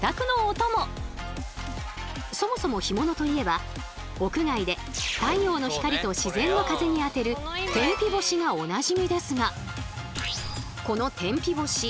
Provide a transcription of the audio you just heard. そもそも干物といえば屋外で太陽の光と自然の風に当てる天日干しがおなじみですが。